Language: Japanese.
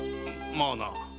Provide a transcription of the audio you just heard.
まあな。